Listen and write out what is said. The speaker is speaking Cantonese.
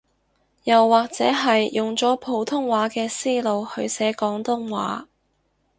又或者係用咗普通話嘅思路去寫廣東話